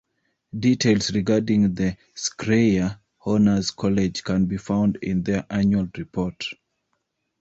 Details regarding the Schreyer Honors College can be found in their Annual Report.